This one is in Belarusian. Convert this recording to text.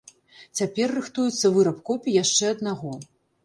Цяпер рыхтуецца выраб копій яшчэ аднаго.